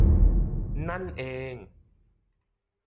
นั่นเอง